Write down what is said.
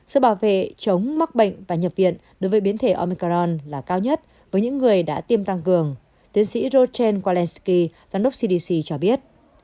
sự bảo vệ chống mắc bệnh và nhập viện đối với biến thể omicron là cao nhất với những người đã tiêm tăng cường tiến sĩ rosen wallansky giám đốc cdc cho biết